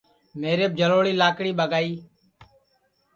میریپ جݪوݪی لاکڑی ٻگائی